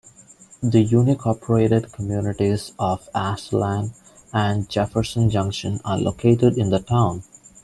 The unincorporated communities of Aztalan and Jefferson Junction are located in the town.